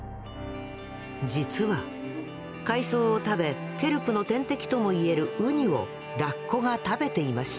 実は海藻を食べケルプの天敵ともいえるウニをラッコが食べていました。